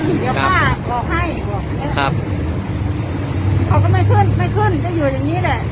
เดี๋ยวป้าออกให้ครับเขาก็ไม่ขึ้นไม่ขึ้นจะอยู่อย่างงี้แหละ